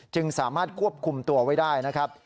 จึงสามารถควบคุมตัวไว้ได้นะครับ